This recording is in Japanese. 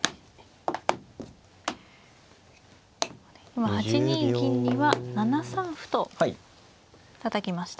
今８二銀には７三歩とたたきました。